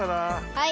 はい。